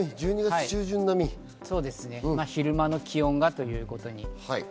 昼間の気温がということで。